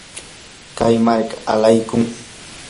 kay marka alaykun.